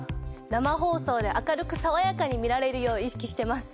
生放送で明るくさわやかに見られるよう意識してます。